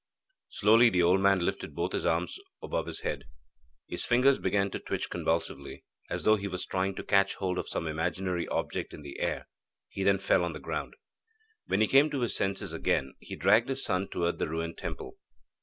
Slowly the old man lifted both his arms above his head. His fingers began to twitch convulsively, as though he was trying to catch hold of some imaginary object in the air. He then fell on the ground. When he came to his senses again, he dragged his son towards the ruined temple.